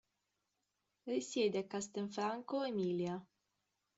Risiede a Castelfranco Emilia.